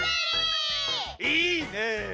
いいね。